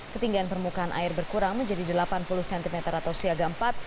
ketinggian permukaan air berkurang menjadi delapan puluh cm atau siaga empat